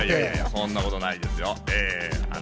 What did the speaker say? そんなことないですよ。